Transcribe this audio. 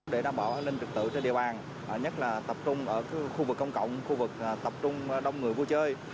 để đảm bảo an ninh trực tự trên địa bàn nhất là tập trung ở khu vực công cộng khu vực tập trung đông người vui chơi